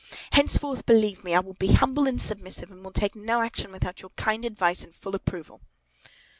Henceforth, believe me, I will be humble and submissive, and will take no action without your kind advice and full approval!"